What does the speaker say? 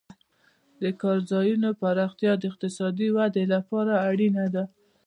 د کار ځایونو پراختیا د اقتصادي ودې لپاره اړینه ده.